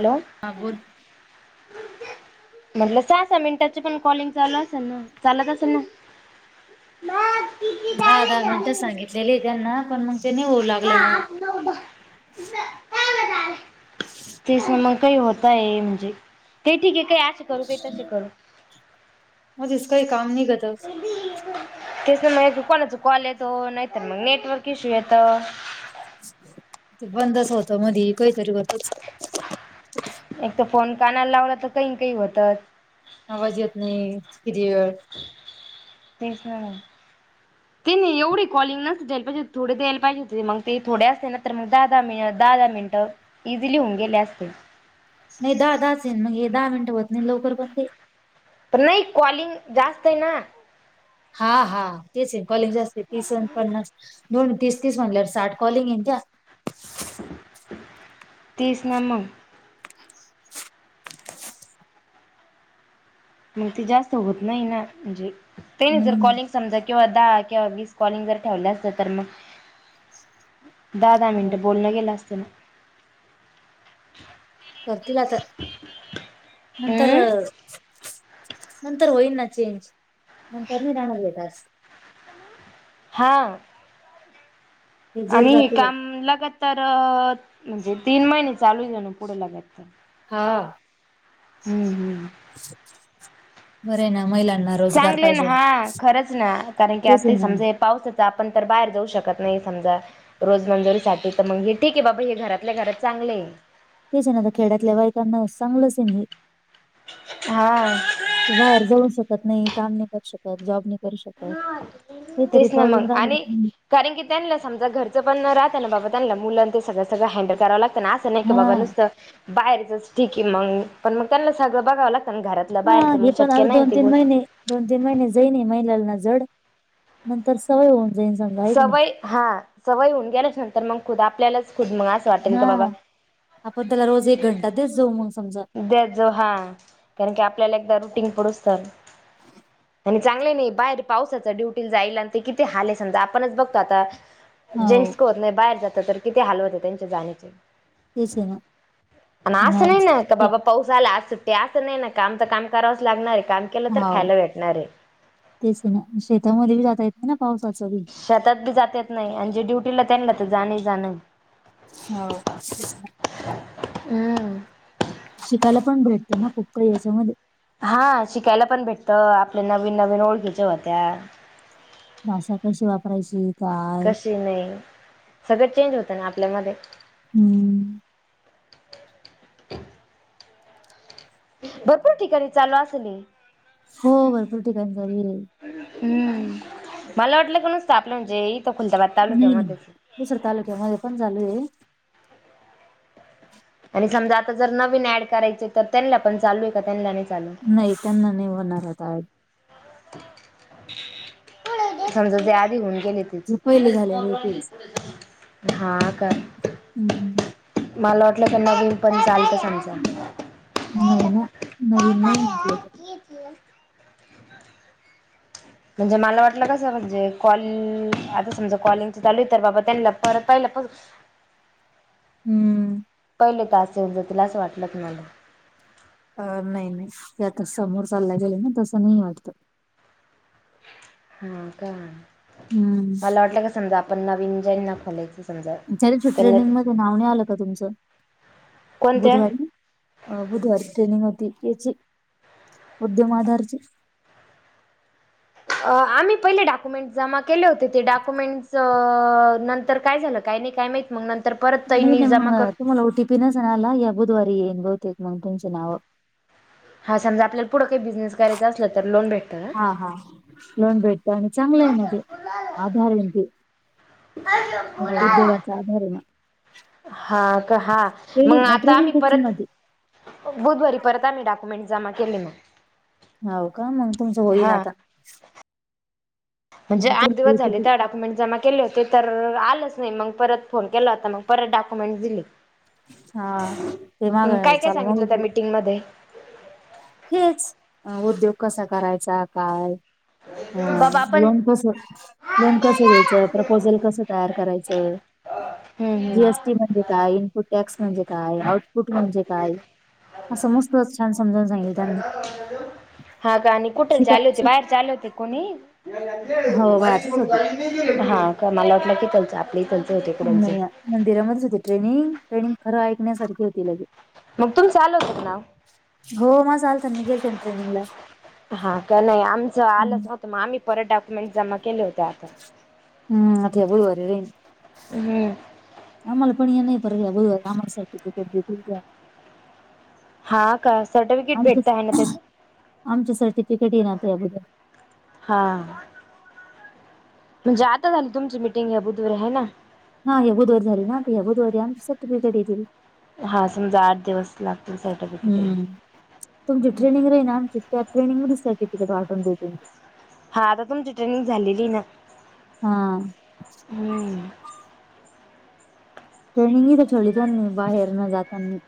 Hello. हा बोल. म्हटल सहा सहा मिनटाची पण कॉलिंग चालू असेल ना चालत असेल ना. दहा दहा मिनटं सांगितलेली त्यांना पण मग ते नहीं होऊ लागलं ना. [unintelligible] तेच न मग काही होत आहे म्हणजे ते कठीक आहे काही अशे करू काही तशे करू. मजेस काही काम नाही करता. तेच ना मग कोणाचा कॉल येतो नाहीतर मग नेटवर्क इश्यू येतं. ते बंदच होतं मधी काहीतरी होतच. एक तर फोन कानाला लावला तर काही ना काही होतात. आवाज येत नाही क्लिअर. तेच ना मग. तेनी एवढी कॉलिंग नसतं द्याला पाहिजे थोडे द्यायला पाहिजे होते मग ते थोडे असते ना तर मग दहा दहा मिनट दहा दहा मिनटं इझिली होऊन गेले असते. नाही दहा दहाच येईन मग हे दहा मिनिटं होत नाही लवकर पण ते. पण नाही कॉलिंग जास्त आहे ना. हा हा तेच आहे कॉलिंग जास्त आहे तीस आन पन्नास दोन तीस-तीस म्हटल्यावर साठ कॉलिंग येनत्या. तीस ना मग. मंग ते जास्त होत नाही ना म्हणजे तेनी जर हम्म कॉलिंग समजा किंवा दहा किंवा वीस कॉलिंग जर ठेवलं असतं तर मग दहा दहा मिनिटं बोलण गेलं असतं ना. करतील आता नंतर हम्म नंतर होईल ना चेंज नंतर नाही राहणार हे टास्क. हां. ते जड आणि हे जातील काम लगातर म्हणजे तीन महिने चालू आहे हेने पुढं लागतार. हा. हम्म हम्म. [unintelligible] बरे आहे ना महिलांना रोजगार चांगले ना पाहिजे हा खरंच ना कारण की तेच आहे आती ना समजे पाऊस ते आपण तर बाहेर जाऊ शकत नाही समजा रोज मंजुरीसाठी तर मग हे ठीक आहे बाबा हे घरातल्या घरात चांगले आहे. तेच ना आता खेडातल्या बाईकांना चांगलंच आहे ना हे. हा. ते बाहेर जाऊन शकत नाही, काम नाही करू शक त्या जॉब नाही करू शकत हे काहीतरी तेच ना मग प्रॉब्लेम राहि. आणि [unintelligible] कारण की त्यांना समजा घरचं पण न राहताना बाबा त्यांना मुलंं ते सगळंगळं हँडल करावं लागतं ना आस नाय कि हा बाबा नुसतं बाहेरचच ठीक आहे मग पण मग बघावं लागत घरात हा हे पण आता दोन तीन महिने दोन तीन महिने जाईन महिलाना जड नंतर सवय होऊन जाईन समजा हायका नाय. सवय हा सवय होऊन गेल्याच्या नंतर मग खुद आपल्यालाच खुद मंग आस हा आपण त्याला रोज एक घंटा तेच जाऊ मग समजा. देत जावू हा कारण की आपल्याला एकदा रुटीन पढूस्तवर. आणि चांगलंय नई बाहेर पावसाचं ड्युटीला जाई लागतय किती हालय समजा आपणच बघतो आता हो जेंट्स का होत नाही बाहेर जात तर किती हाल होतय त्यांच्या जाण्याची. तेच आहे ना पण अस नाही ना का बाबा पाऊस आला आज सुट्टी असं नाही ना काम तर काम करावंच लागणारे काम केलं तर हाव खायला भेटणारय. तेच ना शेतामध्ये बी जाता येते ना पावसाचं शेतात बी जाता येत नाही आणिजे ड्युटीला त्यांना तर जाणच जाण. हो. हम्म. शिकायला पण भेटते ना खूप काही याच्यामध्ये. हा शिकायला पण भेटतं आपल्या नवीन नवीन ओळखीच्या होत्यात. भाषा कशी वापरायची काय? नई सगळं चेंज होत ना आपल्यामध्ये. हम्म. भरपूर ठिकाणी चालू असल हे. हो भरपूर ठिकाणी चालूय. हम्म मला वाटलं काी नुसत आपलं म्हणजे इथं खुलताबाद नाही नाही तालुक्यामध्ये दुसऱ्या तालुक्यामध्ये पण चालूय. आणि समजा आता जर नवीन ऍड करायचे तर त्यांना पण चालूय का त्यांना नाही चालू? नाही त्यांना नाही होणार आता समजा जे आधी होऊन गेलीत जे पहिले झालेले आहे तेच हा काय हम्म मला वाटलं त्यांना घेऊन पण चालत सगळ्यांन नाही ना नवीन नाही म्हटले. [inaudible] म्हणजे मला वाटलं कसं म्हणजे कॉल आता समजा कॉलिंगच चालू तर बाबा त्यांना परत पाहिल्यापासून हम्म. पहिले टास्क येऊन जातील असं वाटलं होतं मला. अ नाही नाही ते आता समोर चालला गेलं ना तसं नाही वाटतं. हा का? हम्म मला वाटलं का समजा आपण नवीन ज्यांना खोलायच हेल्प ट्रेनिंग मध्ये नाव नाय आलं का तुमचं? कोणत्या बुधवारी अं बुधवारी ट्रेनिंग होती त्यांच्यी उद्यम आधारची. अं आम्ही पहिले डाकुमेंट जमा केले होते ते डाकुमेंटच अं नंतर काय झालं? काही नाही काय माहित मग नंत नाही ना मग तुम्हाला ओटी पी नसल आला या बुधवारी येईन बहुतेक मग तुमच्या नावा हा समजा आपल्याला पुढं काही बिझनेस करायचां असला तर लोन भेटतं. का? हा हा लोन भेटत आणि चांगलं आहे ना ते आधार आहेन ते. उद्योगाच आधार ना. हा का हा मंग ट्रेनिंग आता ट्रेनिंग आम्ही खूप छान परत होती बुधवारी परत आम्ही डाकुमेंट जमा केले मंग. हाव का? मग तुमचं होईल हा आता म्हणजे आता आठ दिवस तुमची झाले, किती- त्या डाक्युमेंट जमा केले होते तर, आलंच नाही. मग परत फोन केला होता, मग परत डॉक्युमेंट दिले. हा ते माग चालू झालयं की. मिटिंगमध्ये हेच, उद्योग कसा करायचा? काय? हा, बाबा आपण लोन कसंय? लोन कसं घ्यायचं? प्रपोजल कसं तयार करायचं? हम्म जी हम्म एस टी म्हणजे काय? टॅक्स म्हणजे काय? आउटपुट म्हणजे काय? हा, समस्त छान समज [unintelligible] हा का? आणि कुठे शिका चालू होते? शिक बाहेर चालू होते कोणी? हो बाहेरचेच होते हा का? मला वाटलं की, [unintelligible] आपले [unintelligible] नाही ना, मंदिरामध्येच होती ट्रेनिंग. ट्रेनिंग खरं ऐकण्यासारखी होती लगे मग तुमच आल होत का नाव? हो माझं आलंत न मी गेलते ना ट्रेनिंगला. आलच नव्हं. आम्ही परत डाक्युमेंट जमा केले होते आता. हम्म, आठव्या गुरुवारी व्हय. [unintelligible] आम्हाला पण या नाही पर या गुरुवारी आम्हाला सर्टिफिकेट देतील त्या. हा, काय? सर्टिफिकेट भेटता आहे ना त्याच. आमच सर्टिफिकेट ये ना त्याबद्दल हां. म्हणजे आता झाली तुमची मीटिंग या बुधवारी आहे ना. हा या बुधवारी झाली ना, त या बुधवारी आमची सर्टिफिकेट येतील. हा समजा आठ दिवस लागतील सर्टिफिकेट यायला. हम्म, तुमची ट्रेनिंग रहिल ना आमची त्या ट्रेनिंगमधीच सर्टिफिकेट वाटून देेतीन. हा आता तुमची ट्रेनिंग झालेली ना हा. हम्म. ट्रेनिंगही [unintelligible] बाहेर न जातांनी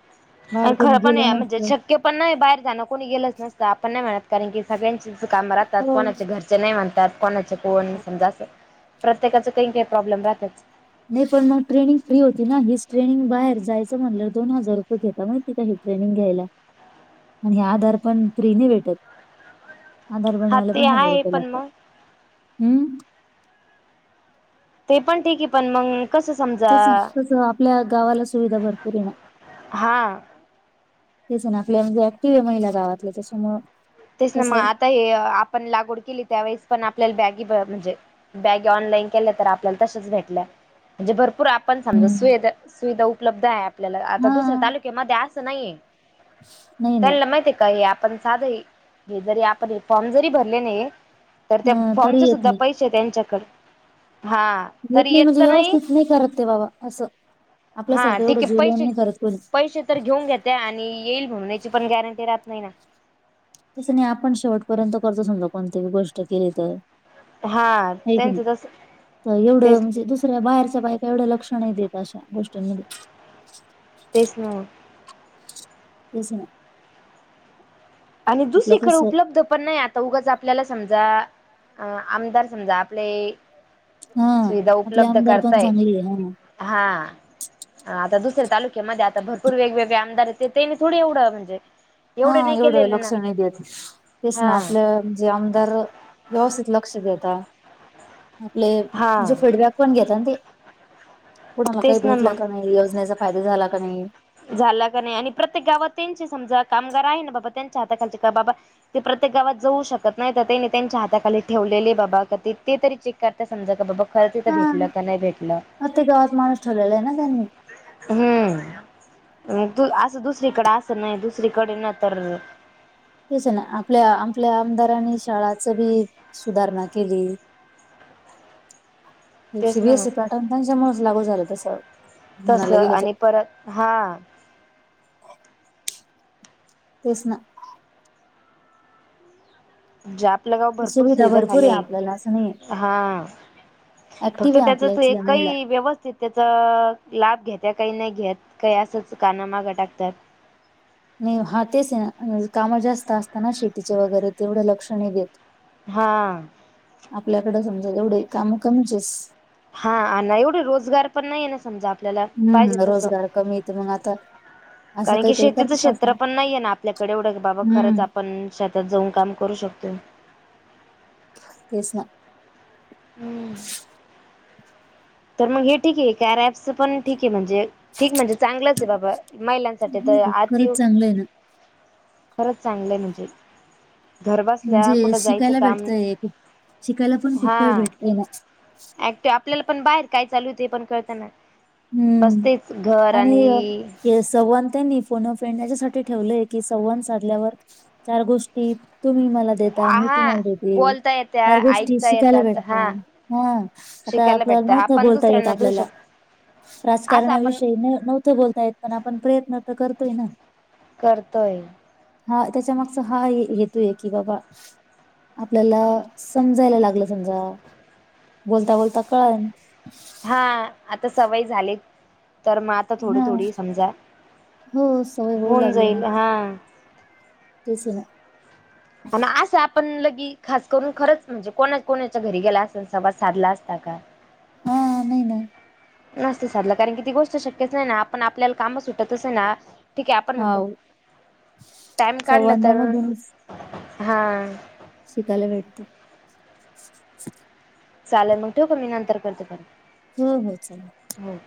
आणि खरं पण म्हणजे शक्य पण नाही बाहेर जाणं कोणी गेलंच नसतं. आपण नाही म्हणत कारण की सगळ्यांचेच इथं काम राहतात. हो कोणाचे घर चे नाही म्हणतात. कोणाच कोण समजा, अस प्रत्येकाच काही काही प्रॉब्लेम राहताच. नाही पण मग ट्रेनिंग फ्री होती ना हीच ट्रेनिंग बाहेर जायचं म्हणलं, दोन हजार रुपये घेता माहिती का? ट्रेनिंग घ्यायला आणि ह आधार पण फ्री ने भेटत आधार हा बनवायला पण ते हजार आहे रुपये पण लागता. मग हम्म. ते पण ठीक आहे, पण मंग कसं समज तेच त आपल्या गावाला सुविधा भरपूर येणार हा तेच ना. आपल्या म्हजे ऍक्टिव्ह आहे महिला गावातल्या, त्याच्यामुळं तेच ना मग, कसं आता आपण लागवड केली. त्यावेळेस आपल्याला बॅगी म्हणजे बॅग ऑनलाईन केल्या तर, आपल्याला तसेच भेटल. म्हणजे भरपूर आपण समजा हम्म. सुविधा उपलब्ध आहे आपल्याला. आता हा दुसऱ्या तालुक्यामध्ये असं नाहीेये. नाही ना त्यांला माहिती आहे का? हे आपण साध हे जरी आपण फॉर्म जरी भरले नाही, तर त्या अ तरी फॉर्मचे येत सुद्धा नाही पै से त्यांच्याकडं हा. घेत तरी नाही येत म्हणजे तर व्यवस्थित नाही करत ते बाबा असं, हा आपल्यासारखं एवढं ठीक आहे जीव लाऊन पैसे नाही करत कोणी. पैसे तर घेऊन घेते आणि येईल म्हणून येण्याची पण गॅरंटी राहत नाही ना. तसं नाही आपण शेवटपर्यंत करतो समजा कोणती गोष्ट केली तर. हा आहे कि त्यांचं तस नाही? एवढं तेच म्हणजे दुस ऱ्या बाहेरच्या बायका एवढं लक्ष नाही देत अशा गोष्टींमध्ये. तेच ना. तेच ना. आणि आपलं दुसरीकडं कसं उपलब्ध पण नाही. आता उगच आपल्याला समजा अ आमदार समजा आपले हा सुविधा आपले उपलब्ध आमदार पण करताय, चांगली आहे हा. आता दुसऱ्या तालुक्यामध्ये आता भरपूर वेगवेगळे आमदार आहे, ते तेनी थोडी एवढं म्हणजे हा एवढे हा नाही एवढं केलेले ना लक्ष नाही देत तेच ना हा आपलं म्हणजे आमदार व्यवस्थित लक्ष देता आपले हा म्हणजे फिडबॅक पण घेता ते कुणाला काही तेच ना भेटलं मग का नाही? योजनेचा फायदा झाला का नाही? झाला का नाही? आणि प्रत्येक गावात त्यांचे समजा कामगार आहे ना, बाबा त्यांच्या हाताखालचे का बाबा ते प्रत्येक गावात जाऊ शकत नाही, तर तेने त्यांच्या हाताखाली ठेवलेले बाबा की ते तरी चे क करता समजा का बाबा खरंच इथं हा भेटलं का नाही भेटलं? प्रत्येक गावात माणूस ठेवलेला आहे ना त्यांनी हम्म. मग तू असं दुसरीकडे असं नाही दुसरीकडे ना तर तेच ना आपल्या आपल्या आमदारांनी शाळाचं बी सुधारणा केली. [inaudible] हे सि तेच बि ना यस मग सी पॅटर्न त्यांच्यामुळेचं लागू झालं तसं म्हणायला तसं गेलं तर. आणि परत हां. [inaudible] तेच ना. म्हणजे आपलं गाव भरपूर सुविधा भरपूर आहे खाले आपल्याला असं नाही हा. फक्त ऍक्टिव्ह आहे त्याच आपल्या तो इथल्या एक महिला काही व्यवस्थित त्याचा लाभ घेत आहे काही नाही घेत काही असंच कानांमागं टाकतात. म हा तेच ना काम जास्त असत ना शेतीचे वैगेरे तेवढं लक्ष नाही देत. हा. आपल्याकडे समजा एवढे काम कमीचेस. हा अन् एवढे रोजगार पण नाही ना समजा. आपल्याला पाहिजे हम्म तसं रोजगार कमीयेत मग आता असं कारण की काहीतरी शेतीचं करतच असणार क्षेत्र पण नाहीये ना आपल्याकडे एवढं क बाबा खरंच हम्म. आपण शेतात जाऊन काम करू शकतो. तेच ना. हम्म. तर मग हे ठीक आहे कार्या ॲपच पण ठीक आहे म्हणजे ठीक म्हणजे चांगलंच आहे बाबा महिलांसाठी तर चांगलंय, आती खरंच चांगलं आहे ना. खरंच चांगलं आहे म्हणजे. घर बसल्या म्हणजे कुठं जायचं शिकायला काम, भेटतंय खूप शिकायला पण खूप काही हा. भेटतंय ना. ऍक्टिव आपल्याला पण बाहेर काय चालू ते पण कळतं ना. बसतेच घर आणि ते संवाद त्यांनी फोन फ्रेंड याच्यासाठी ठेवलंय की, संवाद साधल्यावर चार गोष्टी तुम्ही मला देता मी हा तुम्हाला देेते. बोलता येत्या चार गोष्टी ऐकता शिकायला येतात हा भेटतात. हा आता शिकायला आपल्याला भेटत नव्हतं आपण बोलता येत दुसऱ्यांना देऊ आपल्याला, शकतो. असं आपण राजकारणाविषयी न नव्हतं बोलता येत. पण आपण प्रयत्न तर करतोय ना. करतोय. हा त्याच्या मागचा हा हेतू आहे की, बाबा आपल्याला समजायला लागलं समजा. बोलता बोलता कळन हा आता सवय झाली. तर मग आत आता थोडी हा थोडी समजा. हो सवय होऊ होऊन लागली ना जाईल हा. तेच ना. आणि असं आपण लगी खास करून, खरंच म्हणजे कोणा कोणाच्या घरी गेला अस संवाद साधला असता का? हा नाही ना. नसते साधलं. कारण कि ती गोष्ट शक्यच नाही ना. आपण आपल्याला काम सुटतच नाही ना. ठीक आहे. आपण हा म्हणतो टाइम काढला तर संवादामधूनच हा. शिकायला भेटतं. चालेल मग ठेवू का? मी नंतर करते परत. ह ह चालेल. हो.